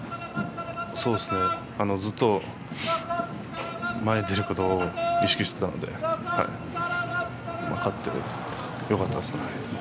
ずっと前に出ることを意識していたので勝ってよかったです。